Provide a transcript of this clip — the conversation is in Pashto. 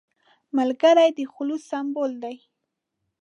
ملګری د خلوص سمبول دی